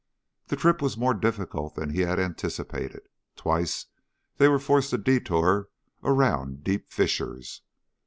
The trip was more difficult than he had anticipated. Twice they were forced to detour around deep fissures.